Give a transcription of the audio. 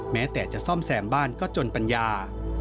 แม้แต่จะซ่อมแซมบ้านก็จนปัญญา